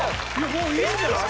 もういいんじゃない？